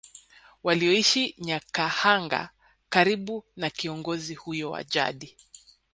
Walioishi Nyakahanga karibu na kiongozi huyo wa jadi